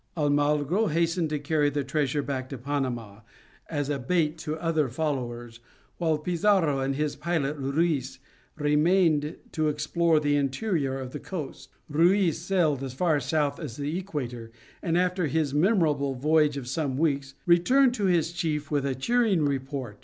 Almagro hastened to carry the treasure back to Panama, as a bait to other followers, while Pizarro and his pilot Ruiz remained to explore the interior and the coast. Ruiz sailed as far south as the equator, and after a memorable voyage of some weeks, returned to his chief with a cheering report.